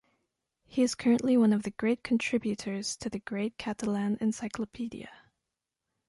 He is currently one of the contributors to the Great Catalan Encyclopedia.